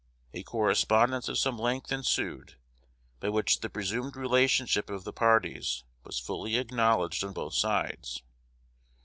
A correspondence of some length ensued, by which the presumed relationship of the parties was fully acknowledged on both sides.